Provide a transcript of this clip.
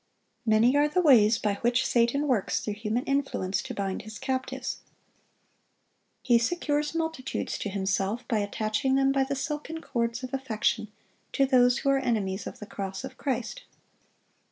Many are the ways by which Satan works through human influence to bind his captives. He secures multitudes to himself by attaching them by the silken cords of affection to those who are enemies of the cross of Christ.